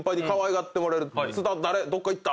「津田どっか行った？」